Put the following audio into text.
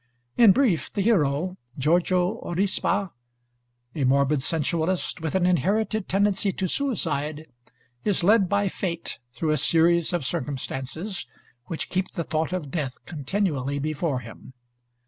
In brief, the hero, Giorgio Aurispa, a morbid sensualist, with an inherited tendency to suicide, is led by fate through a series of circumstances which keep the thought of death continually before him.